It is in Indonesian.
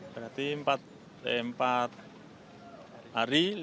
berarti empat hari